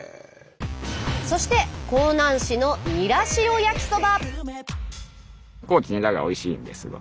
そして香南市のニラ塩焼きそば。